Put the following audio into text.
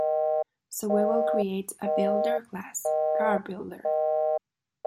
So we will create a builder class, CarBuilder.